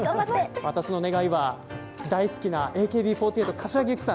私の願いは、大好きなＡＫＢ４８・柏木由紀さん